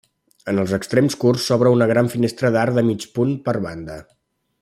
En els extrems curts s'obre una gran finestra d'arc de mig punt per banda.